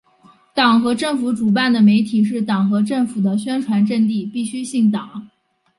党和政府主办的媒体是党和政府的宣传阵地，必须姓党。